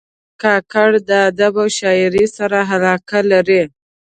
کاکړ د ادب او شاعرۍ سره علاقه لري.